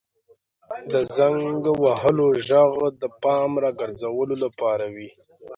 • د زنګ وهلو ږغ د پام راګرځولو لپاره وي.